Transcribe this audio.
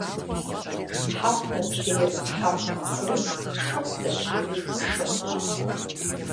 ХьэфӀ дэплъейр хьэфӀ мэхъури, шыфӀ дэплъейр шыфӀ мэхъу.